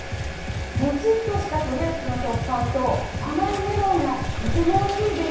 もちっとしたクレープの食感と甘いメロンがとてもおいしいです。